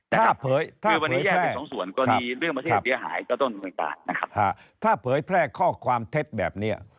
ถ้าเผยแพร่ถ้าเผยแพร่ข้อความเท็จแบบเนี่ย